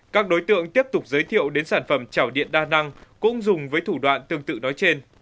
các đối tượng tiếp tục giới thiệu đến sản phẩm chảo điện đa năng cũng dùng với thủ đoạn tương tự nói trên